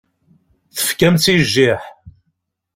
Tefkam-tt i jjiḥ.